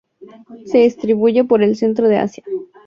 Se distribuye por el centro de Asia.